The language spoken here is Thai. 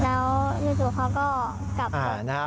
แล้วจริงเขาก็กลับ